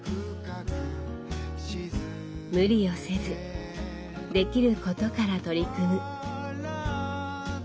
無理をせずできることから取り組む。